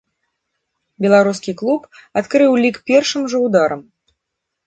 Беларускі клуб адкрыў лік першым жа ударам.